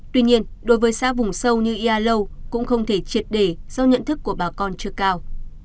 tuy nhiên đối với xã vùng sâu như ia lâu cũng không thể triệt để do nhận thức của bà con chưa cao